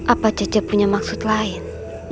apa caca punya maksud lain